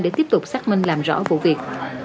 để tiếp tục xác minh làm rõ vụ việc